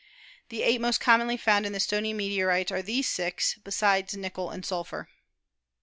The eight most commonly found in the stony meteorites are these six, besides nickel and sulphur.